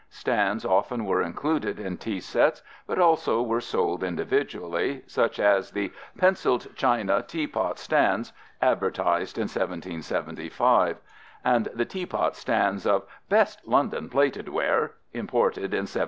Stands often were included in tea sets but also were sold individually, such as the "Pencil'd China ... tea pot stands," advertised in 1775, and the "teapot stands" of "best London plated ware" imported in 1797.